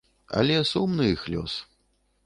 Але сумны іх лёс.